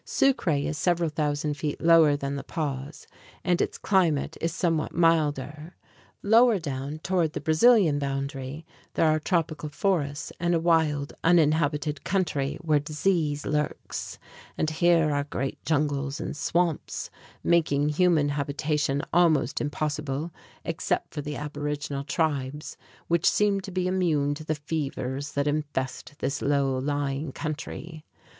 Sucre is several thousand feet lower than La Paz, and its climate is somewhat milder. Lower down, toward the Brazilian boundary, there are tropical forests and a wild, uninhabited country where disease lurks; and here are great jungles and swamps, making human habitation almost impossible except for the aboriginal tribes, which seem to be immune to the fevers that infest this low lying country.